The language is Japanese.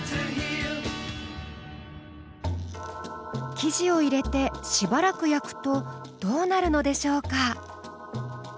生地を入れてしばらく焼くとどうなるのでしょうか？